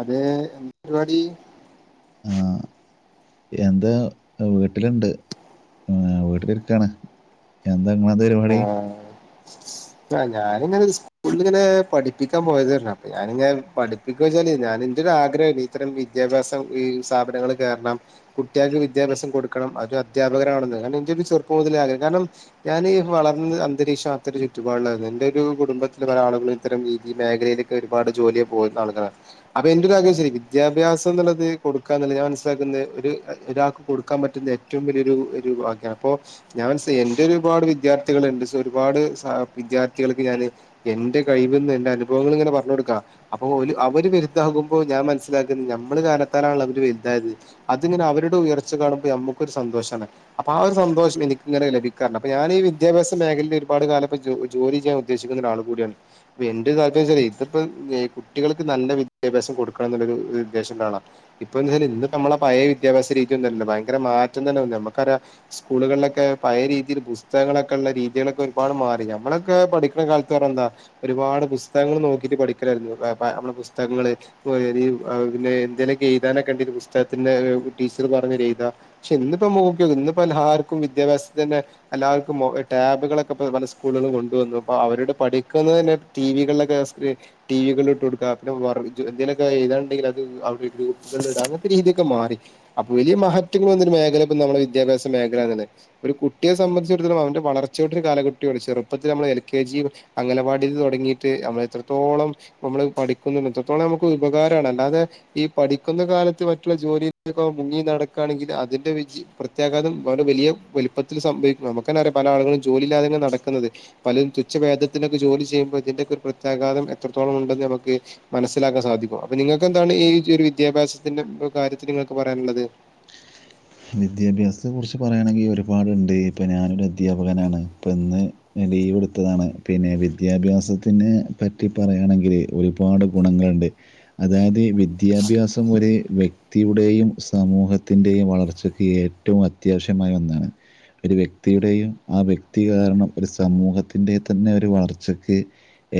അതെ എന്താ പരിപാടി ആഹ് എന്താ വീട്ടില്ണ്ട് വീട്ടിലിരിക്കാണ് എന്താങ്ങളെത് ആ പരിപാടി ആ ഞാനിങ്ങനെ സ്കൂളിൽ ഇങ്ങനെ പഠിപ്പിക്കാൻ പോയതരുന്നു അപ്പൊ ഞാനിങ്ങെ പഠിപ്പിക്ക വെച്ചല് ഞാന് എന്റെ ഒരു ആഗ്രഹാണ്‌ ഇത്തരം വിദ്യാഭ്യസം സ്ഥാപനങ്ങൾ കേറണം കുട്ടികൾക്ക് വിദ്യാഭ്യസം കൊടുക്കണം അത് അധ്യാപകനാകാണാമെന്നു കാരണം എനിക്ക് ചെറുപ്പം മുതലേ ആഗ്രഹം കാരണം ഞാന് വളർന്ന് അന്തരീക്ഷം അത്തരം ഒരു ചുറ്റു പാടില്ലായിരുന്നു എന്റെ ഒരു കുടുംബത്തിൽ പല ആളുകളും ഇത്തരം രീതി മേഖലയിലൊക്കെ ഒരുപാട് ജോലിയെ പോകുന്ന ആളുകളാണ് അപ്പൊ എന്റെ [unintelligible] വിദ്യാഭ്യാസം എന്നുള്ളത് കൊടുക്കാന്നുള്ളത് ഞാൻ മനസ്സിലാക്കുന്ന ഒരു ഒരാക്ക് കൊടുക്കാൻ പറ്റുന്ന ഏറ്റവും വലിയ ഒരു ഒരു ഭാഗ്യ അപ്പോ ഞാൻ മനസ്സ് എന്റെ ഒരുപാട് വിദ്യാർത്ഥ ർത്തികളൊണ്ട് സൊ ഒരുപാട് സ വിദ്യാർത്ഥികൾക്ക് ഞാന് എന്റെ കഴിവിന്ന് എന്റെ അനുഭവങ്ങൾ ഇങ്ങനെ പറഞ്ഞു കൊടുക്കാം അപ്പൊ ഓല് അവര് വലുതാകുമ്പോ ഞാൻ മനസ്സിലാക്കുന്നത് ഞമ്മള് കാരണത്താലാ ണ് അവര് വലുതായത് അതിങ്ങനെ അവരുടെ ഉയർച്ച കാണുമ്പ ഞമ്മക്കൊരു സന്തോഷാണ് അപ്പൊ ആ ഒരു സന്തോഷം എനിക്കിങ്ങനെ ലഭിക്കാറുണ്ട് അപ്പ ഞാനീ വിദ്യാഭ്യാസേഖയിൽ ഒരുപാട്കാലംപ്പോ ജോ ജോലി ചെയ്യാൻദ്ദേശിക്കുന്ന ഒരാൾ കൂടിയാണ് അപ്പോ എന്റെ താല്പര്യം ഇതിപ്പം കുട്ടികൾക്ക് നല്ല വിദ്യാഭ്യാസം കൊടുക്കണം എന്നുള്ള ഒരു ഉദ്ദേശം ഉള്ള ആളാ ഇപ്പ [unintelligible] ഇന്ന്പ്പ നമ്മള പയേ വിദ്യാഭ്യാസ രീതിയൊന്നുല്ല ഭയങ്കര മാറ്റം തന്നെ വന്ന് നമുക്കറിയാ സ്കൂളുകളിലൊക്കെ പഴെയ രീതിയിൽ പുസ്തകങ്ങളൊ ക്കൊള്ള രീതികളൊക്കെ ഒരുപാട് മാറി ഞമ്മളൊക്കെ പഠിക്കണ കാലത്ത് പറഞ്ഞ എന്താ ഒരുപാട് പുസ്തകങ്ങൾ നോക്കിട്ട് പഠിക്കല യിരുന്നു അപ്പ നമ്മടെ പുസ്തകങ്ങള് [unintelligible] പിന്നെ എന്തേലൊക്കെ എഴതാനൊക്കെണ്ടി പുസ്തകത്തിന്റെ ടീച്ചർ പറഞ്ഞര് എയ്ത പക്ഷെ ഇന്നിപ്പോ നോക്കിയോക്ക് ഇന്നിപ്പോ എല്ലാർക്കും വിദ്യാഭ്യാസത്തി തന്നെ എല്ലാർക്കും മൊബ ടാബുകളൊക്കെ പ്പെ പല സ്കൂളുകളും കൊണ്ടുവന്നു അപ്പോ അവരുടെ പഠിക്കുന്ന തന്നെ ടി വി കളിലൊക്കെ സ്ക്രീ ടി വി കളിട്ടുകൊടുക്കുക പിന്നെ എന്തിലൊക്കെ എയ്താണ്ടെങ്കിൽ അത് അവിടെ ഗ്രൂപ്പിൽ ഇട അങ്ങനത്തെ രീതിയൊക്കെ മാറി അപ്പൊ വലിയ മാറ്റങ്ങൾ വന്ന ഒരു മേഖല ഇപ്പൊ നമ്മുടെ വിദ്യാഭ്യാസ മേഖലന്നെയാണ് ഒരു കുട്ടിയെ സംബന്ധിച്ചിടത്തളം അവന്റെ വളർച്ചയോട്ടൊരു കാലകട്ടിയാണ് ചെറുപ്പത്തിൽ നമ്മൾ എൽ കെ ജി അംഗലവാടിൽ തൊടങ്ങിയട്ട് നമ്മള് എത്രത്തോളം നമ്മള് പഠിക്കുന്നുണ്ട് എത്രത്തോളം നമുക്ക് ഉപകാരമാണ് അല്ലാതെ ഈ പഠിക്കുന്ന കാലത്ത് മറ്റുള്ള ജോലി [unintelligible] മുങ്ങി നടക്കുകയാണെങ്കിൽ അതിന്റെ [unintelligible] പ്രത്യാഘാതം വലിയ വലിപ്പത്തിൽ സംഭവിക്ക നമുക്കന്നേ അറിയാം പല ആളുകളും ജോലിയില്ലാതെ നടക്കുന്നത് പലരും തുച്ഛേവേദത്തിനൊക്കെ ജോലി ചെയ്യുമ്പോ ഇതിന്റെ ഒരു പ്രത്യാഘാതം എത്ര ഇത്രോള ഉണ്ടെന്ന് നമുക്ക് മനസ്സിലാക്കാൻ സാധിക്കും അപ്പൊ നിങ്ങൾക്ക് എന്താണ് ഈ ഒരു വിദ്യാഭ്യാസത്തിന്റെ കാര്യത്തില് നിങ്ങക്ക് പറയാനുള്ളത് വിദ്യാഭ്യാസത്തെ കുറിച്ച് പറയാണെങ്കിൽ ഒരുപാടുണ്ട് ഇപ്പൊ ഞാനൊരു അധ്യാപകനാണ് ഇപ്പ ഇന്ന് ലീവെടുത്തതാണ് പിന്നെ വിദ്യാഭ്യാസത്തിനെ പറ്റി പറയാണെങ്കിൽ ഒരുപാട് ഗുണങ്ങളുണ്ട് അതായത് വിദ്യാഭ്യാസം വരെ വ്യക്തിയുടെയും സമൂഹത്തിന്റെയും വളർച്ച ഏറ്റവും അത്യാവശ്യമായ ഒന്നാണ് ഒരു വ്യക്തിയുടെയും ആ വ്യക്തി കാരണം ഒരു സാമൂഹ സമൂഹത്തിന്റെ തന്നെ ഒരു വളർച്ചക്ക്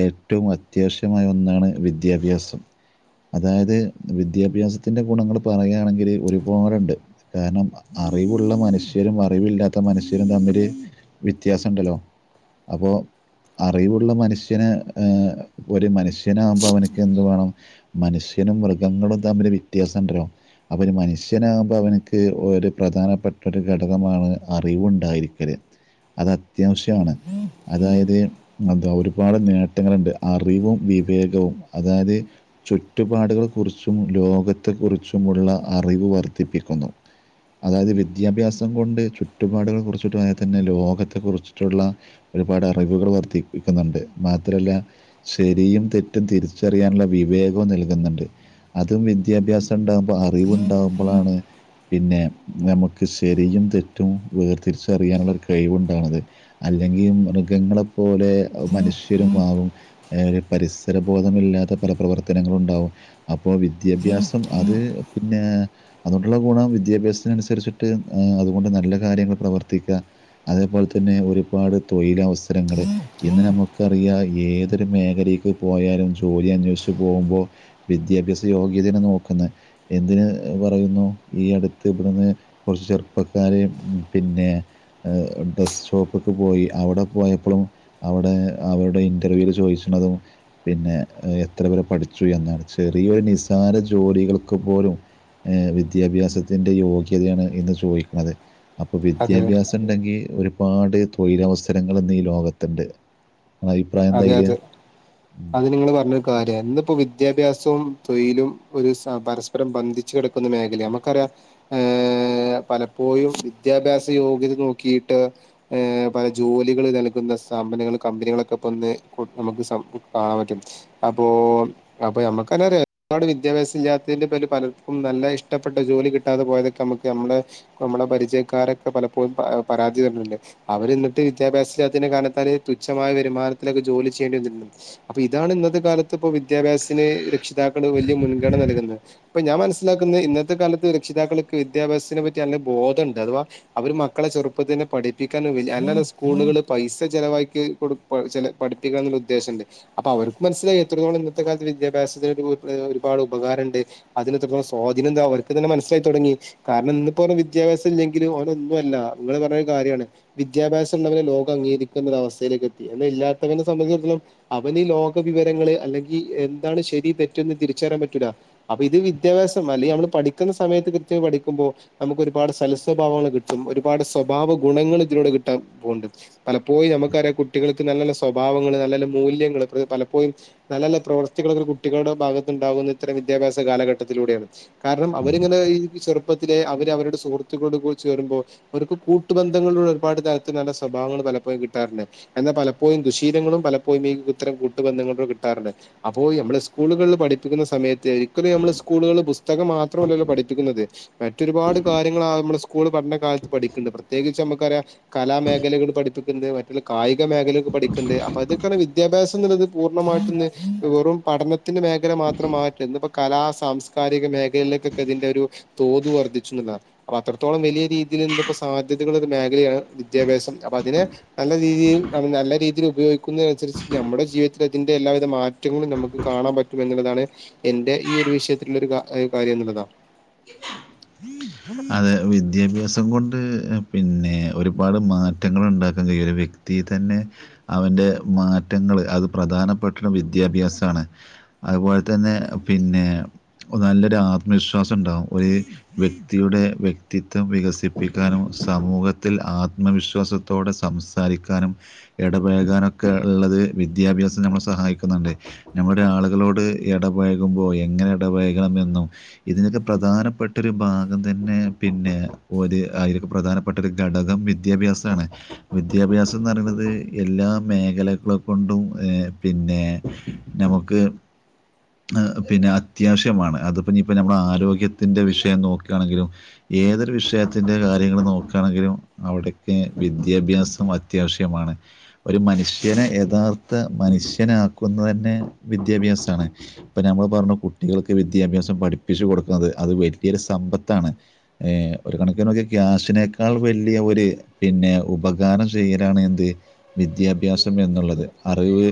ഏറ്റവും അത്യാവശ്യമായ ഒന്നാണ് വിദ്യാഭ്യാസം അതായത് വിദ്യാഭ്യാസത്തിന്റെ ഗുണങ്ങള് പറയാണെങ്കില് ഒരുപാടുണ്ട് കാരണം അറിവുള്ള മനുഷ്യരും അറിവില്ലാത്ത മനുഷ്യരും തമ്മില് വ്യത്യാസംണ്ടല്ലോ അപ്പോ അറിവുള്ള മനുഷ്യന് ഒരു മനുഷ്യനാകുമ്പോ അവനിക്ക് എന്ത്‌ വേണം മനുഷ്യ നും മൃഗങ്ങളും തമ്മില് വ്യത്യാസംണ്ടല്ലോ അവര് മനുഷ്യനാകുമ്പോ അവനക്ക് ഒരു പ്രധാനപ്പെട്ട ഒരു ഘടകമാണ് അറിവുണ്ടായിരിക്കല് അത് അത്യാവശ്യണ് അതായത് എന്താ ഒരുപാട് നേട്ടങ്ങളുണ്ട് അറിവും വിവേകവും അതായത് ചുറ്റുപാടുകളെ കുറിച്ചും ലോകത്തെ കുറിച്ചുമുള്ള അറിവ് വർദ്ധിപ്പിക്കുന്നു [inaudible] അതായത് വിദ്യാഭ്യാസം കൊണ്ട് ചുറ്റുപാടുകളെ കുറിച്ചിട്ടും അതോൽ തന്നെ ലോകത്തെ കുറിച്ചിട്ടുള്ള ഒരുപാട് അറിവുകൾ വർദ്ധിപ്പിക്കുന്നുണ്ട് മാത്രമല്ല ശരിയും തെറ്റും തിരിച്ചറിയാനുള്ള വിവേകം നൽകുന്നുണ്ട് അതും വിദ്യാഭ്യാസം ഉണ്ടാകുമ്പോ അറിവുണ്ടാകുമ്പോഴാണ് പിന്നെ ഞമുക്ക് ശെരിയും, തെറ്റും വേർതിരിച്ച റിയാനുള്ള ഒരു കഴിവുണ്ടാവണത് അല്ലെങ്കി മൃഗങ്ങളെ പോലെ, മനുഷ്യരുമാവും രു പരിസരബോധമില്ലാ പല പ്രവർത്തനങ്ങളും ണ്ടാവും. അപ്പോ വിദ്യാഭ്യാസം അത് പിന്നെ അതൊണ്ട് ഗുണം വിദ്യാഭ്യാസത്തിനനുസരിച്ചിട്ട് അതുകൊണ്ട് നല്ല കാര്യങ്ങൾ പ്രവർത്തിക്ക. അതേപോലെ തന്നെ ഒരുപാട് തൊയിലവസരങ്ങള് ഇന്ന് നമുക്ക് ക്കറിയാ ഏതൊരു മേഖലീക്ക് പോയാലും, ജോലി അന്വേഷിച്ച് പോവു മ്പോ വിദ്യാഭ്യാസ യോഗ്യ നോക്കുന്ന. എന്തിന് പറയുന്നു ഈ അടുത്ത് ഇവിടുന്ന്, കുറച്ച് ചെറുപ്പക്കാര് പിന്നെ ഡ്രസ് ഷോപ്പ് പോയി. അവിടെ പോയപ്പളും അവിടെ അവരുടെ ഇന്റർവ്യൂല് ചോദിച്ച്ണതും പിന്നെ എത്ര വരെ പഠിച്ചു എന്നാണ്. ചെറിയൊരു നിസാര ജോലികൾക്ക് പോലും എ വിദ്യാ വിദ്യാഭ്യാസത്തിന്റെ യോഗ്യതയാണ് ഇന്ന് ചോദിക്കണത്. അപ്പോ അതെ വിദ്യാഭ്യാസം ണ്ടെങ്കി ഒരു ഒരുപാട് തൊഴിലവസരങ്ങൾ ഇന്ന് ഈ ലോകത്തണ്ട് അതെ, അതെ, അത് നിങ്ങള് പറഞ്ഞ കാര്യ. ന്നിപ്പോ വിദ്യാഭ്യാസവും, തൊഴിലും ഒരു സ പരസ്പരം ബന്ധിച്ച് കെടക്കുന്ന മേഖലാ നമുക്കറിയ ഏ പലപ്പോഴും വിദ്യാഭ്യാസ യോഗ്യത നോക്കിട്ട് എ ജോലികൾ നൽകുന്ന സ്ഥാപനങ്ങൾ, കമ്പനികളൊക്കെ പ്പ ന്ന് നമുക്ക് കാണാൻ പറ്റും. അപ്പോ അപ്പൊ നമക്കെന്നെ അറിയാ ഒരു പാട് വിദ്യാ സം ല്ലാത്തിന്റെ പേരിൽ പലർക്കും, നല്ല ഇഷ്ടപ്പെട്ട ജോലി കിട്ടാതെ പോയതൊക്കെ, നമുക്ക് നമ്മ നമ്മുടെ പരിചയക്കാ പലപ്പോഴും പരാതി വരുന്നുണ്ട്. അവരിന്ന് ട്ട് വിദ്യാഭ്യാസ ല്ലാത്തിന്റെ കാരണത്താല് തുച്ഛമായ വരുമാന ക്കെ ജോലി ചെയ്യണ്ടി വന്നിരുന്നു. അപ്പൊ ഇതാണ് ഇന്നത്തെ കാലത്ത്, ഇപ്പോ വിദ്യാഭ്യാസത്തിന് രക്ഷിതാക്കള് വലിയ മുൻഗണന നൽകുന്നത് പ്പ ഞാൻ മനസ്സിലാക്കുന്ന ഇന്നത്തെ കാലത്ത് രക്ഷിതാക്കൾക്ക് വിദ്യാഭ്യാസത്തിനെ പറ്റി നല്ല ബോധണ്ട്. അഥവാ അവര് മക്കളെ ചെറുപ്പ തന്നെ പഠിപ്പിക്കാനും, അല്ല ല്ല സ്കൂളുകള് പൈസ ചെിലവാക്കി കൊടു പ ചെല പഠിപ്പിക്കണം ന്നുള്ള ഉദ്ദേശണ്ട്. അപ്പൊ അവർക്ക് മനസ്സിലായി എത്രത്തോളം ഇന്നത്തെ കാലത്ത് വിദ്യാഭ്യാസത്തി ഒരുപാട് ഉപകാര ണ്ട്. അതിനെ തു സ്വാധീനം എന്താ അവർക്ക് തന്നെ മനസ്സിലായി തുടങ്ങി കാരണം ഇന്ന്പ്പോഞ്ഞ വിദ്യാഭ്യസം ഇല്ലെങ്കിലും ഒന്നല്ല. ങ്ങള് പറഞ്ഞ കാരിയാണ്. വിദ്യാഭ്യാസം ള്ളവരെ, ലോകം അംഗീകരിക്കുന്ന ഒര അവസ്ഥയിലേക്ക് എത്തി അല്ലാ നെ സംബന്ധിച്ചിടത്തോളം അവന് ലോക വിവരങ്ങള്, അല്ലെങ്കി എന്താണ് ശെരി തെറ്റന്ന് തിരിച്ചറിയാൻ പറ്റൂല അപ്പൊ ഇത് വിദ്യാഭ്യാസം അല്ലെങ്കി, നമ്മള് പഠിക്കുന്ന സമയത്ത് കൃത്യം പഠിക്കുമ്പോ നമുക്ക് ഒരുപാട് സൽ സ്വഭാവങ്ങൾ കിട്ടും ഒരുപാട് സ്വഭാവ ഗുണങ്ങള് ഇതിലൂടെ കിട്ടാൻ പോണ്ട് പലപ്പോയും നമുക്കറിയാം കുട്ടികൾക്ക് നല്ലല്ല സ്വാ സ്വഭാവങ്ങൾ, നല്ല ല്ല മൂല്യങ്ങള്, പലപ്പോഴും നല്ല ല്ല പ്രവർത്തികൾ കുട്ടികളുടെ ഭാഗത്ത്ണ്ടാവുന്ന ഇത്തരം വിദ്യാഭ്യാസ കാലഘട്ടത്തിലൂടേ ആണ്. കാരണം അവരിങ്ങനെ ഇ ചെറ പ്പത്തിലെ അവരുടെ സുഹൃത്തുക്കളോട് പ്പത്തിലെ അവർ അവരുടെ സുഹൃത്തുക്കളുടെ കൂടെ ചേരുമ്പോ, അവർക്ക് കൂട്ടു ബന്ധങ്ങളുടെ ഒരുപാട് കാര്യത്തിന് നല്ല സ്വഭാവങ്ങ പലപ്പോഴും കിട്ടാറുണ്ട്. എന്ന പലപ്പോ പ്പോഴും ദുശീലങ്ങളും പലപ്പോഴും ഇ ത്തരം ദുശീലങ്ങളും പലപ്പോഴും ഈ ഇത്തരം കൂട്ടു ബന്ധങ്ങളിലൂടെ കിട്ടാറുണ്ട്. അപ്പോ നമ്മള് സ്കൂളുകളിൽ പഠിപ്പിക്കുന്ന സമയത്ത് ശെരിക്കലും നമ്മള് സ്കൂളുകള് പുസ്തകം മാത്രമല്ലല്ലോ പഠിപ്പിക്കുന്നത്? മറ്റൊരുപാട് കാര്യങ്ങൾ ആ നമ്മുടെസ്കൂ സ്കൂൾ പഠന കാലത്ത് പഠിക്ണ്ട് പ്രത്യേ കിച്ച് ഞമ്മക്ക് റിയാം, കലാമേഖലകൾ പഠിപ്പിക്ണ്ട്, മറ്റുള്ള കായിക മേഖലകൾ പഠിക്ക്ണ്ട് അപ്പൊ അതൊക്കെയാണ് വിദ്യ വിദ്യാഭ്യാസം ന്നുള്ളത് പൂർണ്ണമായിട്ടന്ന് വെറും പഠനത്തിന്റെ മേഖല മാത്രം മാറ്റ കലാ, സാംസ്കാരിക മേഖലളിലേക്കൊക്കെ തിന്റെ ഒരു തോത് വർദ്ധിചൂന്നുള്ളതാണ്. അപ്പൊ അത്രത്തോളം വലിയ രീതിയി ന്ന് പ്പോ സാധ്യതകളുടെ ഒരു മേഖലയാണ് വിദ്യാഭ്യാസം. അപ്പൊ അതിനെ നല്ല രീതിയിൽ, നല്ല രീതിയിൽ ഉപയോഗിക്കുന്നതിനനുസരിച്ചിട്ട് നമ്മുടെ ജീവിതത്തിൽ അതിന്റെ എല്ലാവിധ മാറ്റ ങ്ങളും കൂടെ നമുക്ക് കാണാൻ പറ്റും എന്നുള്ളതാണ് എൻന്റെ ഈ ഒരു വിഷയത്തിലുള്ള ഒരു കാര്യം എന്നുള്ളതാ. [unintelligible] അതെ വിദ്യാഭ്യാസം കൊണ്ട് അ പിന്നെ ഒരുപാട് മാറ്റങ്ങൾ ഉണ്ടാക്ക ഒരു വ്യക്തി തന്നെ അവൻ്റെ മാറ്റങ്ങൾ അത് പ്രധാനപ്പെട്ടിട്ടും വിദ്യാഭ്യാസാണ് അതുപോലെ തന്നെ പിന്നെ നല്ലൊരു ആത്മവിശ വിശ്വാസണ്ടാവും, ഒരു വ്യക്തിയുടെ വ്യക്തിത്വം വികസിപ്പിക്കാനും, സമൂഹത്തിൽ ആ ആത്മവിശ്വാസത്തോടെ സംസാരിക്കാനും, ഇടപഴകാനൊക്കെ ള്ളത് വിദ്യാഭ്യാസം നമ്മെളെ സഹായി സഹായിക്കുന്നുണ്ട്. നമ്മുടെ ആളുകളോട് എടപഴകുമ്പോ, എങ്ങനെ എടപഴകണമെന്നും ഇതിനൊക്കെ പ്രധാനപ്പെട്ടൊരു ഭാഗം തന്നെ പിന്നെ ഒരു അതിലൊക്കെ പ്രധാനപ്പെട്ട ഒരു ഘടകം വിദ്യാഭ്യാസാണ്. വിദ്യാഭ്യാസം ന്ന് പറീണത് എല്ലാ മേഖലകളെ കൊണ്ടും, ഏ വി പിന്നെ നമുക്ക് പിന്നെ അത്യാവശ്യമാണ് അതിപ്പ ഞി ഇപ്പ ഞമ്മള് ആരോഗ്യത്തിന്റെ വിഷയം നോക്കാണെങ്കിലും ഏതൊരു വിഷയത്തിൻ്റെ കാര്യങ്ങള് നോക്കാണെങ്കിലും അവിടക്ക് വിദ്യാഭ്യാസം അത്യാവശ്യമാണ് ഒരു മനുഷ്യന് യഥാർത്ഥ മ മനുഷ്യനാക്കുന്നത് തന്നെ വിദ്യാഭ്യാസാണ് ഇപ്പ ഞമ്മള് പറഞ്ഞു കുട്ടികൾക്ക് വിദ്യാഭ്യാസം പഠി പ്പിച്ച് കൊടുക്കുന്നത് അത് വല്ല്യരു സമ്പത്താണ് ഏ ഒരു കണക്കിനൊക്കെ ഗ്യാസിനേക്കാൾ വല്ല്യ ഒ ഒര് പിന്നെ ഉപകാരം ചെയ്യലാണ് എന്ത് വിദ്യാഭ്യാസം എന്നുള്ളത് അറിവ്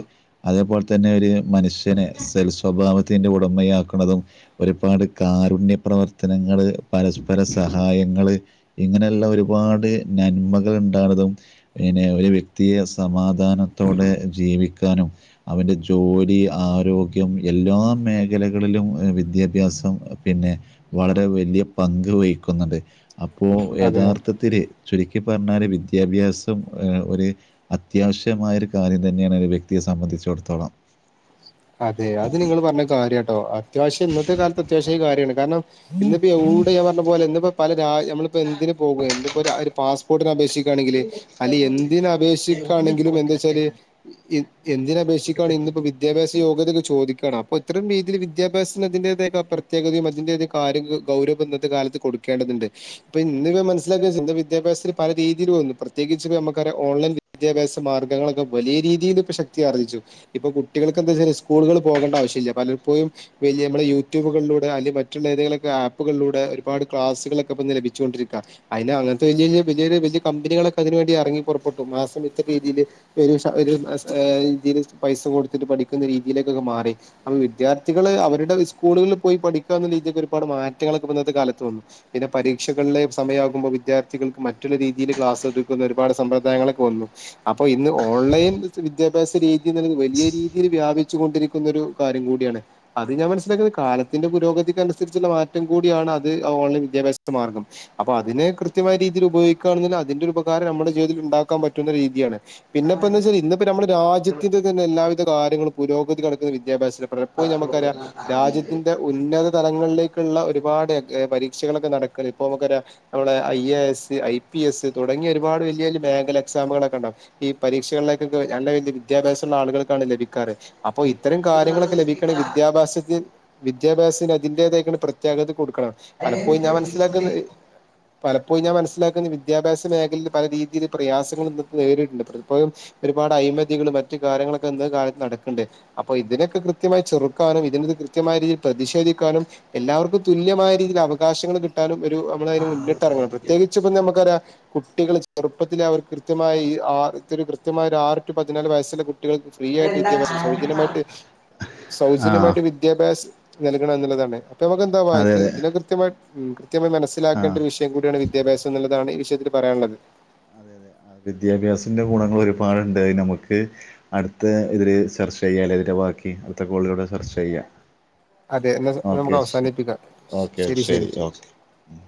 അതേപോലെ തന്നെ ഒരു മനുഷ്യനെ സൽസ്വഭാവത്തിന്റെ ഉടമയാക്കുന്നതും ഒരു ഒരുപാട് കാരുണ്യ പ്രവർത്തനങ്ങള് പരസ്പര സഹായങ്ങള് ഇങ്ങനെയുള്ള ഒരുപാട് നന്മകൾ ഉണ്ടാവതും പിന്നെ ഒരു വ്യക്തിയെ സമാധാനത്തോടെ ജീവിക്ക ക്കാനും അവന്റെ ജോലി ആരോഗ്യം എല്ലാ മേഖലകളിലും വിദ്യാ ഭ്യാസം പിന്നെ വളരെ വലിയ പങ്ക് വഹിക്കുന്നുണ്ട് അപ്പോ അതെ യഥാർത്ഥത്തില് ചുരുക്കി പറഞ്ഞാല് വിദ്യാഭ്യാസം ഒരു അത്യാവശ്യമായ ഒരു കാര്യം തന്നെയാണ് വ്യക്തിയെ സംബന്ധിച്ചൊടുത്തോളം അതെ അത് നിങ്ങള് പറഞ്ഞ കാര്യാട്ടോ അത്യാവശ്യം ഇന്ന ത്തെ കാലത്ത് അത്യാവശ്യായ കാര്യമാണ് കാരണം ഇന്നിപ്പോ യവിടെ ഞാൻ പറഞ്ഞ പോലെ ഇന്ന് പ്പോ പല രായ നമ്മളിപ്പോ എന്തിന് പോകും എന്ത്പ്പോ ഒരു പാസ്പോർട്ടിന് അപേക്ഷി ക്കാണെങ്കില് അല്ല എന്തിന് അപേക്ഷിക്കാണെങ്കിലും എന്താച്ചാല് എന്തിന് അപേക്ഷിക്കാണെ ഇന്ന് പ്പോ വിദ്യാഭ്യാസ യോഗ്യതക്കെ ചോദിക്കണം അപ്പോ ഇത്തരം രീതിയില് വിദ്യാഭ്യാസത്തിന് അതിന്റേതായ പ്രത്യേകതയും അതിൻ്റെതായ കാര്യഗഗൗരവ ഇന്നത്തെ കാലത്ത് കൊടുക്കേണ്ടതുണ്ട്പ്പൊ ഇന്ന് ഇവ മനസ്സിലാക്കച്ച ഇന്ന് വിദ്യാഭ്യാത്തിൽ പല രീതിയിൽ വന്നു പ്രത്യേകിച്ച് പ്പഞ മ്മക്കറിയാം ഓൺലൈൻ വിദ്യാഭ്യാസ മാർഗങ്ങളൊക്കെ വലിയ രീതിയില് ഇപ്പൊ ശക്തിയാർജിച്ചു ഇപ്പൊ കുട്ടികള് ക്കെന്താച്ചില് സ്കൂളുകള് പോകേണ്ട ആശ്യല്ല പലപ്പോഴും വല്ല്യ മ്മള് യൂട്യൂബുകളിലൂടെ അല്ലെ മറ്റുള്ള ഏതെങ്കിലൊക്കെ ആ പ്പുകളിലൂടെ ഒരുപാട് ക്ലാസുകളൊക്കെപ്പ ഇന്ന് ലഭിച്ചുകൊണ്ടരിക്ക അയിന് അങ്ങനത്തെ വല്ല്യ വല്ല്യ വലിയൊരു വല്യ കമ്പികളൊക്കെ അതിന് നുവേണ്ടി എറങ്ങിപുറപ്പെട്ടു മാസം എത്ര രീതിയില് ഒരു സ ആ പൈസ കൊടുത്തിട്ട് പഠിക്ക ക്കുന്ന രീതിയിലേക്കൊക്കെ മാറി അപ്പോ വിദ്യാർത്ഥികള് അവരുടെ സ്കൂളുകളിൽ പോയി പഠിക്ക രീതിക്കെ ഒരു പാട് മാറ്റങ്ങളൊക്കെ ഇപ്പൊ ഇന്നത്തെ കാലത്ത് വന്നു പിന്നെ പരീ രീക്ഷകളിലെ സമയാകുമ്പോൾ വിദ്യാർത്ഥികൾക്ക് മറ്റുള്ള രീതിയില് ക്ലാസ്ടുക്കുന്ന ഒരുപാട് സമ്പ്രദായങ്ങളെക്കെ വന്നു അപ്പൊ ഇന്ന് ഓൺലൈൻ വിദ്യാഭ്യാസ രീതിന്ന്ള്ളത് വലിയ രീതിയില് വ്യാപിച്ചു കൊണ്ടിരിക്കുന്നൊരു കാര്യം കൂടിയാണ് അത് ഞാൻ മനസ്സിലാക്കുന്നത് കാലത്തിന്റെ പുരോഗതിക്കനുസരിച്ചുള്ള മാറ്റം കൂ കൂടിയാണ് അത് ഓൺലൈൻ വിദ്യഭ്യാസം ത്ത് മാർഗം അപ്പൊ അതിനെ കൃത്യമായ രീതിയിൽ ഉപയോഗിക്കാണെങ്കില് അതിൻ്റെ ഒരു ഉപകാരം നമ്മുടെ ജീവിതത്തിൽ ഉണ്ടാക്കാൻ പറ്റുന്ന രീ തിയാണ് പിന്നെപ്പോ എന്താച്ചാൽ ഇന്നിപ്പോ നമ്മുടെ രാജ്യത്തിന്റെ തന്നെ എല്ലാവിധ കാര്യങ്ങളും പുരോഗതി കണ ക്കുന്ന വിദ്യാഭ്യാസത്തിൻ്റെ പഠനം പോയി ഞമുക്കറിയാം രാജ്യത്തിന്റെ ഉന്നത തലങ്ങളിലേക്കുള്ള ഒരുപാട് എ പരീക്ഷകളൊക്കെ നടക്കാണ് ഇപ്പോ നമുക്കറിയാം നമ്മളുടെ I A S I P S തുടങ്ങിയ ഒരുപാട് വലിയ വലിയ ബാങ്കിൽ എക്സാമുകളൊക്കെണ്ടാകും ഈ പരീക്ഷകളിലേക്കെ നല്ല വല്ല്യ വിദ്യാഭ്യാസുള്ള ആളുകള് ത്താണ് ലഭിക്കാറ് അപ്പൊ ഇത്തരം കാര്യങ്ങളൊക്കെ ലഭിക്കണം വിദ്യാഭ്യാസത്തി വിദ്യാഭ്യാസത്തിന് അതിന്റേതായിക്കണ് പ്രത്യേകത കൊടുക്കണം പലപ്പോഴും ഞാൻ മനസ്സിലാക്കുന്ന പലപ്പോഴും ഞാൻ മനസ്സിലാക്കുന്ന വിദ്യാഭ്യാസ മേഖലയിൽ പല രീതിയിൽ പ്രയാസങ്ങളും ഇന്ന് പ്പോ നേരിട്ണ്ട് പലപ്പോഴും ഒരു ഒരുപാട് അഴമതികളും മറ്റ് കാര്യങ്ങള ക്ക് ന്ന് കാലത്ത് നടക്കണ്ട് അപ്പൊ ഇതിനൊക്കെ കൃത്യമായി ചെറുക്കാനും ഇതിന് ത് കൃത്യമായ രീതിയിൽ പ്രതിഷേധിക്കാനും എല്ലാവർക്കും തുല്യമായ രീതിൽ അവകാശങ്ങൾ കിട്ടാനും ഒരു നമ്മള് അതിന് മുന്നിട്ടിറങ്ങണം പ്രത്യേകിച്ച് ഇപ്പം ഞമു ക്കറിയാം കുട്ടികൾ ചെറുപ്പത്തിലെ അവർ കൃത്യമായി ആ ഇത്തൊരു കൃത്യമായ ആറ് ടു പതിനാല് വയസ്സിലെ കു ട്ടികൾക്ക് ഫ്രീ ആയിട്ട് വിദ്യാഭ്യാസം സൗജന്യമായിട്ട് ആ സൗജന്യമായിട്ട് വിദ്യാഭ്യാസ നൽകണം എന്നുള്ളതാണ് അപ്പൊ നമുക്ക് അതെ എന്താവായത്ത് അതെ ഇതിനെ കൃത്യമായി ഉം കൃത്യ ത്യമായി ആ മനസ്സിലാക്കേണ്ട ഒരു വിഷയം കൂടിയാണ് വിദ്യാഭ്യാസം എന്നുള്ളതാണ് വിഷയത്തിൽ പറയാനുള്ളത് അതെ അതെ അ വിദ്യാഭ്യാസത്തിന്റെ ഗുണങ്ങൾ ഒരുപാടുണ്ട് നമുക്ക് അടുത്ത ഇതില് ചർ ചെയ്യാലെതിൻ്റെ ബാക്കി അടുത്ത കോളിലൂടെ ചർച്ച ചെയ്യാം അതെ എന്നാ ഓക്കെ നമുക്ക് ശ അവസാനിപ്പിക്കാം ഓക്കെ ശരി ഓക്കെ ഉം